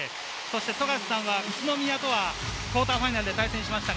富樫さんは宇都宮とはクオーターファイナルで対戦しました。